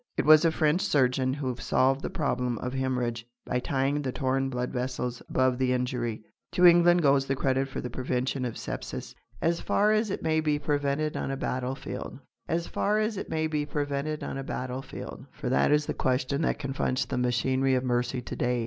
It was a French surgeon who solved the problem of hemorrhage by tying the torn blood vessels above the injury. To England goes the credit for the prevention of sepsis, as far as it may be prevented on a battlefield. As far as it may be prevented on a battlefield! For that is the question that confronts the machinery of mercy to day.